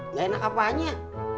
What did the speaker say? nggak enak apaannya